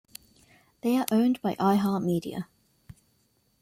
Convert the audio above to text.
They are owned by iHeartMedia.